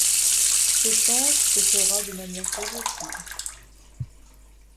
Ce change se fera de manière progressive.